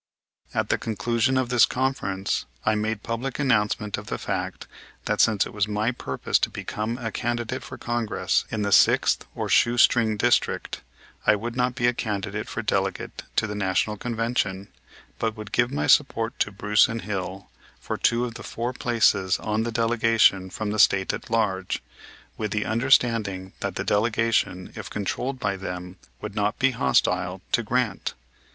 At the conclusion of this conference I made public announcement of the fact that, since it was my purpose to become a candidate for Congress in the Sixth or "shoe string district," I would not be a candidate for delegate to the National Convention but would give my support to Bruce and Hill, for two of the four places on the delegation from the State at large, with the understanding that the delegation, if controlled by them, would not be hostile to Grant.